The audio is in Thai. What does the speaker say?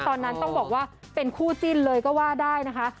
ตอนนั้นต้องบอกว่าเป็นคู่จิ้นเลยก็ว่าได้นะคะ